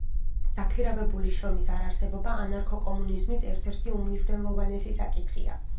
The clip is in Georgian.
დაქირავებული შრომის არარსებობა ანარქო-კომუნიზმის ერთ-ერთი უმნიშვნელოვანესი საკითხია.